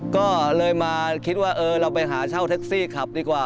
ก็เลยมาคิดว่าเออเราไปหาเช่าแท็กซี่ขับดีกว่า